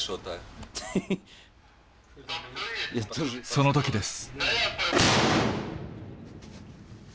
その時です。